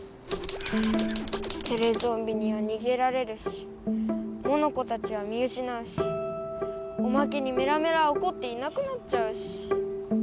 テレゾンビにはにげられるしモノコたちは見うしなうしおまけにメラメラはおこっていなくなっちゃうし。